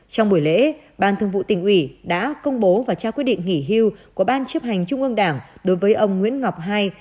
trong buổi lễ ban thường vụ tỉnh ủy đã công bố và trao quyết định nghỉ hưu của ban chấp hành trung ương đảng đối với ông nguyễn ngọc hai